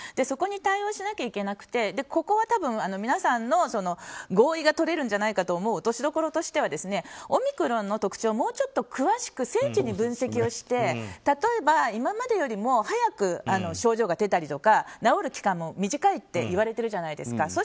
そこに対応しなきゃいけなくてここは多分皆さんの合意が取れるんじゃないかと思う落としどころとしてはオミクロンの特徴をもっと詳しく精緻に分析をして例えば、今までよりも早く症状が出たりとか治る期間も短いといわれてるじゃないですか。